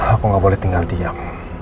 aku gak boleh tinggal diam